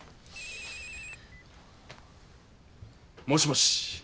もしもし。